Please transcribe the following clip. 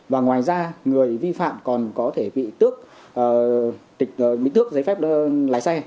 và ngoài ra người vi phạm còn có thể bị tước giấy phép lái xe